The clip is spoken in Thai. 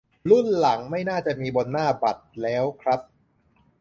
รุ่นหลังน่าจะไม่มีบนหน้าบัตรแล้วครับ